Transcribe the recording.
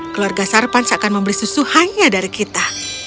keluarga sarpan seakan membeli susu hanya dari kita